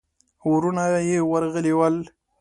وروڼه يې ورغلي ول.